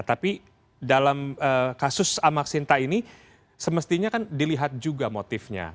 tapi dalam kasus amaksinta ini semestinya kan dilihat juga motifnya